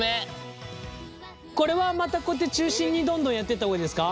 これはまたこうやって中心にどんどんやってった方がいいですか？